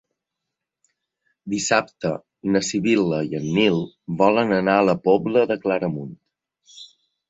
Dissabte na Sibil·la i en Nil volen anar a la Pobla de Claramunt.